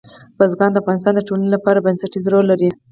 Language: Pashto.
بزګان د افغانستان د ټولنې لپاره بنسټيز رول لري.